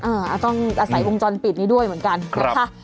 ต้องอาศัยวงจรปิดนี้ด้วยเหมือนกันนะคะ